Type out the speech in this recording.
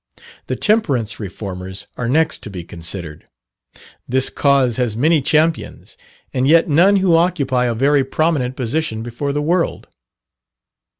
The Temperance Reformers are next to be considered. This cause has many champions, and yet none who occupy a very prominent position before the world.